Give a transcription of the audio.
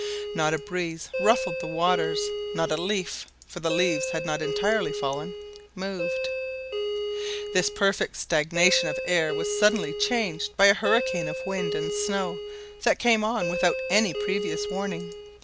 Not a breeze ruffled the waters, not a leaf (for the leaves had not entirely fallen) moved. This perfect stagnation of the air was suddenly changed by a hurricane of wind and snow that came on without any previous warning.